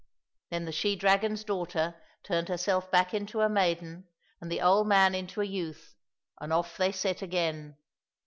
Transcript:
Then the she dragon's daughter turned her self back into a maiden and the old man into a youth, and off they set again.